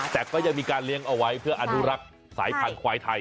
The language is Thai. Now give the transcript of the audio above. แต่ก็ยังมีการเลี้ยงเอาไว้เพื่ออนุรักษ์สายพันธุควายไทย